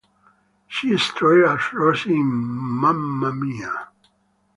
She starred as "Rosie" in "Mamma Mia!".